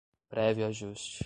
prévio ajuste